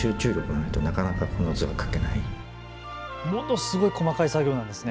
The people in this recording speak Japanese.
すごい細かい作業なんですね。